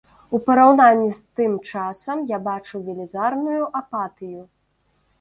У параўнанні з тым часам я бачу велізарную апатыю.